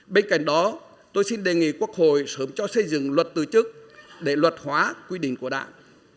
bên cạnh đó tôi xin đề nghị quốc hội sớm cho xây dựng luật từ chức để luật hóa quy định của đảng